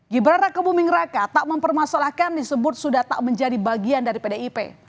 gibran raka buming raka tak mempermasalahkan disebut sudah tak menjadi bagian dari pdip